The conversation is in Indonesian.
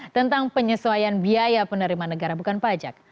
tentang penyesuaian biaya penerimaan negara bukan pajak